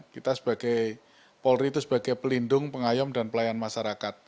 kita sebagai polri itu sebagai pelindung pengayom dan pelayan masyarakat